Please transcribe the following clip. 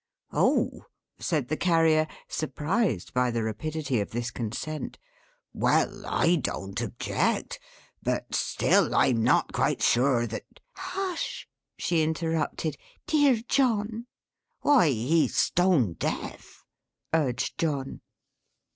"Oh!" said the Carrier, surprised by the rapidity of this consent. "Well! I don't object; but still I'm not quite sure that " "Hush!" she interrupted. "Dear John!" "Why, he's stone deaf," urged John.